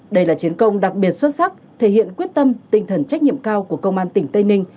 đây là chiến công đặc biệt xuất sắc thể hiện quyết tâm tinh thần trách nhiệm cao của công an tỉnh tây ninh